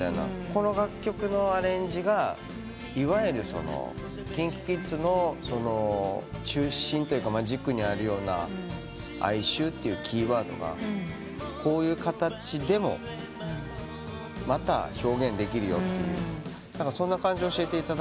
この楽曲のアレンジがいわゆるＫｉｎＫｉＫｉｄｓの中心というか軸にあるような哀愁っていうキーワードがこういう形でもまた表現できるよってそんな感じで教えていただいて。